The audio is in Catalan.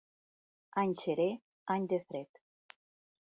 Any serè, any de fred.